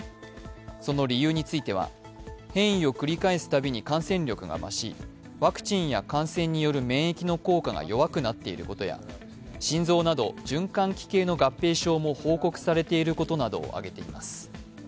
その理由については変異を繰り返すたびに感染力が増しワクチンや感染による免疫の効果が弱くなっていることや心臓など循環器系の合併症も報告されていることなどを挙げています。